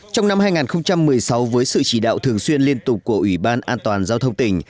trong năm hai nghìn một mươi sáu với sự chỉ đạo thường xuyên liên tục của ủy ban an toàn giao thông tỉnh